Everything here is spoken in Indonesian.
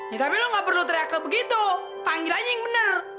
ya tapi lo ga perlu teriak begitu tanggil aja yang bener